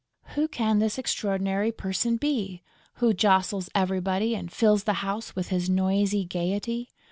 Who can this extraordinary person be, who jostles everybody and fills the house with his noisy gaiety?